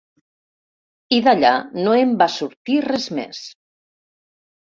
I d’allà no en va sortir res més.